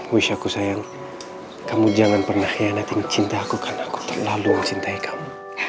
wish aku sayang kamu jangan pernah hianati cinta aku karena ku terlalu mengtengahi kamu